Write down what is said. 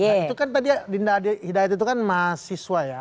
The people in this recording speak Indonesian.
itu kan tadi dinda hidayat itu kan mahasiswa ya